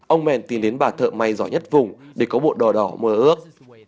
ông man tìm đến bà thợ may giỏi nhất vùng để có bộ đỏ đỏ mùa đông